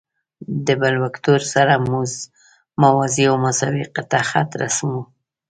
د بل وکتور سره موازي او مساوي قطعه خط رسموو.